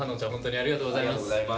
ありがとうございます。